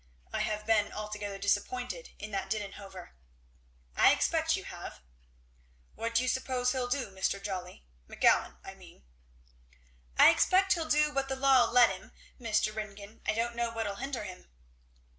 I have been altogether disappointed in that Didenhover." "I expect you have." "What do you suppose he'll do, Mr. Jolly? McGowan, I mean." "I expect he'll do what the law'll let him, Mr. Ringgan; I don't know what'll hinder him."